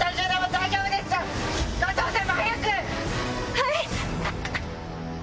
はい！